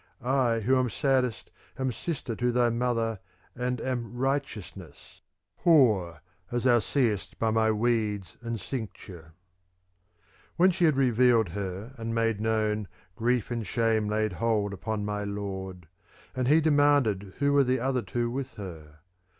I who am saddest am sister to thy mother, and am Righteousness : poor, as thou seest by my weeds and cincture.' if. Ill "'When she had revealed her and made known, grief and shame laid hold upon my lord, and he de manded who were the other two with her.